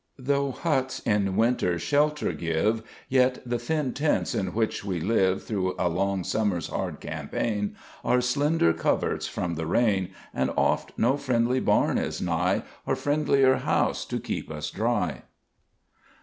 "Though huts in Winter shelter give, Yet the thin tents in which we live, Through a long summer's hard campaign, Are slender coverts from the rain, And oft no friendly barn is nigh Or friendlier house to keep us dry.